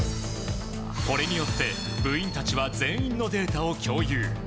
これによって、部員たちは全員のデータを共有。